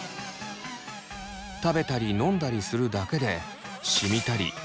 食べたり飲んだりするだけでしみたり痛んだりします。